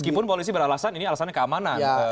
meskipun polisi beralasan ini alasannya keamanan